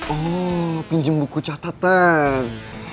oh pinjem buku catatan